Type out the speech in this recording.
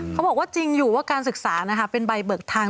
เขาบอกว่าจริงอยู่ว่าการศึกษานะคะเป็นใบเบิกทาง